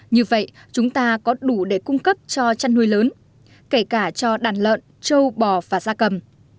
như vậy chúng ta có đủ để cung cấp cho chăn nuôi lớn kể cả cho đàn lợn châu bò và da cầm